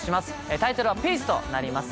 タイトルは『ピース』となります。